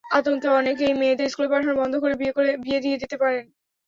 আতঙ্কে অনেকেই মেয়েদের স্কুলে পাঠানো বন্ধ করে বিয়ে দিয়ে দিতে পারেন।